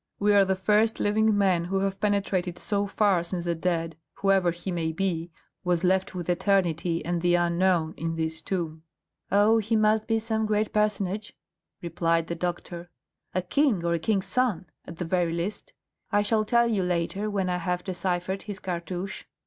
We are the first living men who have penetrated so far since the dead, whoever he may be, was left with eternity and the unknown in this tomb." "Oh, he must be some great personage," replied the doctor; "a king or a king's son, at the very least. I shall tell you later when I have deciphered his cartouche.